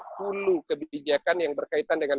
hulu kebijakan yang berkaitan dengan